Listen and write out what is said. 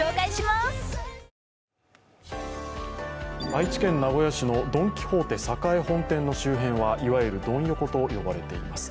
愛知県名古屋市のドン・キホーテ栄本店の周辺はいわゆるドン横と呼ばれています。